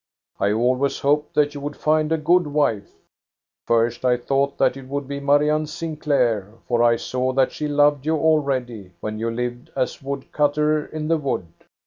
I always hoped that you would find a good wife. First, I thought that it would be Marianne Sinclair, for I saw that she loved you al ready, when you lived as wood cutter in the wood.